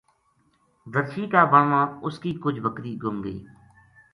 درشی کا بن ما اس کی کجھ بکری گُم گئی